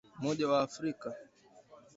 Umoja wa Afrika